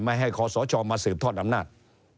ไม่ให้คอสชมาสืบทอดอำนาจ